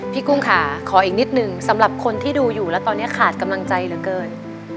กุ้งค่ะขออีกนิดนึงสำหรับคนที่ดูอยู่แล้วตอนนี้ขาดกำลังใจเหลือเกิน